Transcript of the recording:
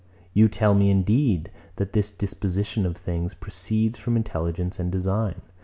You tell me, indeed, that this disposition of things proceeds from intelligence and design.